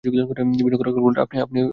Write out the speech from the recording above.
বিনু কড়া গলায় বলল, আপনি এখন যান।